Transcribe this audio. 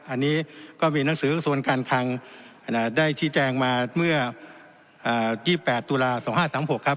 อันนี้ก็มีหนังสือกระทรวงการคังได้ชี้แจงมาเมื่อ๒๘ตุลา๒๕๓๖ครับ